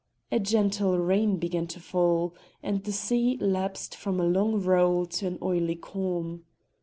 A gentle rain began to fall, and the sea lapsed from a long roll to an oily calm.